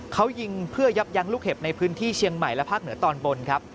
เขายิงเพื่อยับยั้งลูกเห็บในพื้นที่เชียงใหม่และภาคเหนือตอนบนครับ